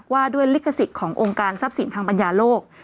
ว่าด้วยลิขสิทธิ์ขององค์การทรัพย์สินทางปัญญาโลก